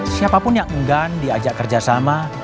siapapun yang enggan diajak kerjasama